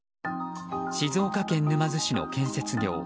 静岡県沼津市の建設業